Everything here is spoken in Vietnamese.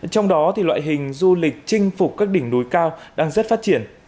trong đó loại hình du lịch chinh phục các đỉnh núi cao đang rất phát triển